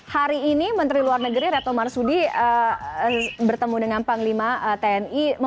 hari ini menteri luar negeri retno marsudi bertemu dengan panglima tni